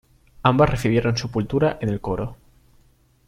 Ambas recibieron sepultura en el coro.